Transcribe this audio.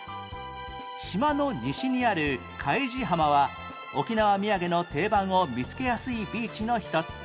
島の西にあるカイジ浜は沖縄土産の定番を見つけやすいビーチの一つ